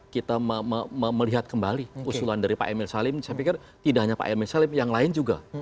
kita melihat kembali usulan dari pak emil salim saya pikir tidak hanya pak emil salib yang lain juga